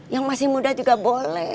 yang masih muda juga boleh